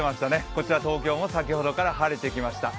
こちら東京も先ほどから晴れてきました。